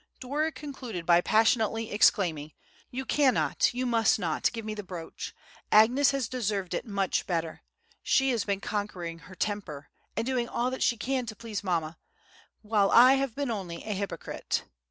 Dora concluded by passionately exclaiming, "You cannot, you must not, give me the brooch—Agnes has deserved it much better; she has been conquering her temper and doing all that she can to please mamma, while I have been only a hypocrite!